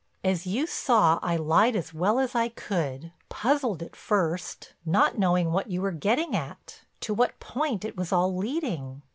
"As you saw, I lied as well as I could, puzzled at first, not knowing what you were getting at, to what point it was all leading.